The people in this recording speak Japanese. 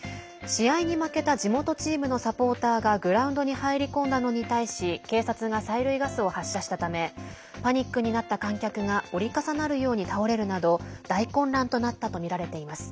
試合に負けた地元チームのサポーターがグラウンドに入り込んだのに対し警察が催涙ガスを発射したためパニックになった観客が折り重なるように倒れるなど大混乱となったとみられています。